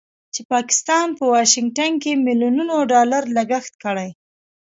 چې پاکستان په واشنګټن کې مليونونو ډالر لګښت کړی